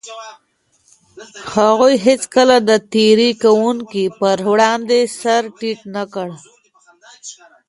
هغوی هيڅکله د تېري کوونکو پر وړاندې سر ټيټ نه کړ.